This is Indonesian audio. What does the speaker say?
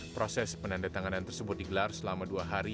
proses penandatanganan tersebut digelar selama dua hari